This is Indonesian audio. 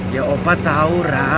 ya opa tau ra